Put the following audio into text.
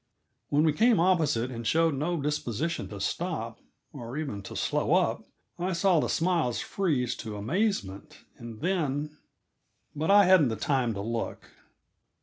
When we came opposite and showed no disposition to stop, or even to slow up, I saw the smiles freeze to amazement, and then but I hadn't the time to look.